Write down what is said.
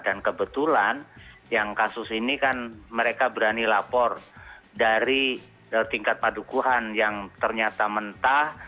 dan kebetulan yang kasus ini kan mereka berani lapor dari tingkat padukuhan yang ternyata mentah